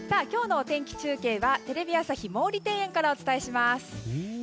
今日のお天気中継はテレビ朝日、毛利庭園からお伝えします。